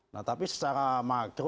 nah tapi secara makro